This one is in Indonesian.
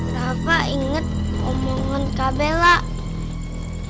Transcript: rafa inget omongan kabelah